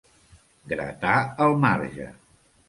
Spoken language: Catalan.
Gratar el marge.